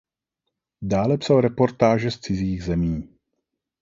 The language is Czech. Dále psal reportáže z cizích zemí.